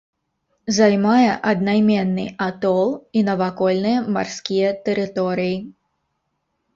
Займае аднайменны атол і навакольныя марскія тэрыторыі.